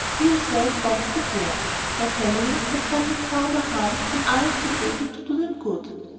He himself once declared: "My family have done me far more harm than I have been able to do them good."